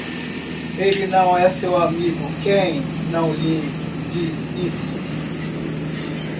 Ele não é seu amigo, quem não lhe diz isso.